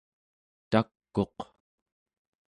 tak'uq